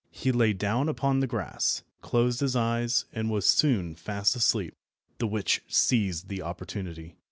He lay down upon the grass, closed his eyes, and was soon fast asleep. The witch seized the opportunity.